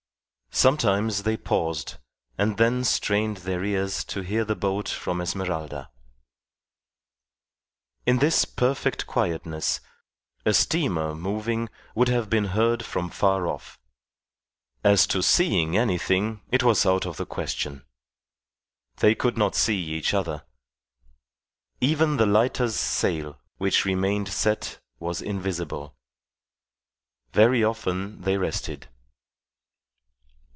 Sometimes they paused, and then strained their ears to hear the boat from Esmeralda. In this perfect quietness a steamer moving would have been heard from far off. As to seeing anything it was out of the question. They could not see each other. Even the lighter's sail, which remained set, was invisible. Very often they rested.